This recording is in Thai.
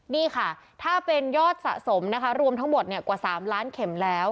นี่ค่ะถ้าเป็นยอดสะสมนะคะรวมทั้งหมดกว่า๓ล้านเข็มแล้ว